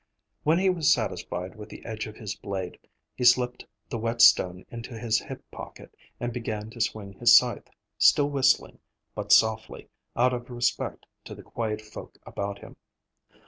When he was satisfied with the edge of his blade, he slipped the whetstone into his hip pocket and began to swing his scythe, still whistling, but softly, out of respect to the quiet folk about him.